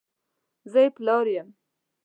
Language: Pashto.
زه یې پلار یم !